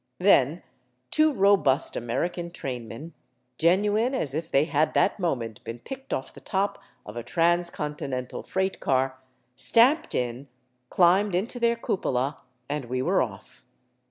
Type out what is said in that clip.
Then two robust American trainmen, genuine as if they had that moment been picked off the top of a transcontinental freight car, tamped in, climbed into their cupola, and we were off.